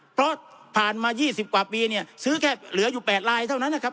เพราะผ่านมา๒๐กว่าปีเนี่ยซื้อแค่เหลืออยู่๘ลายเท่านั้นนะครับ